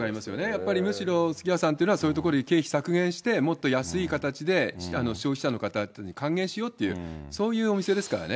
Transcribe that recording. やっぱりむしろ、すき家さんというのは、そういうところの経費削減して、もっと安い形で消費者の方に還元しようっていう、そういうお店ですからね。